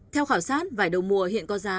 theo khảo sát vải đầu mùa hiện có giá